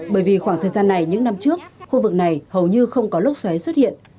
bởi vì khoảng thời gian này những năm trước khu vực này hầu như không có lốc xoáy xuất hiện